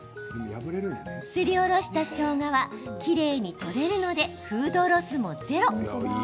すりおろしたしょうがはきれいに取れるのでフードロスもゼロ！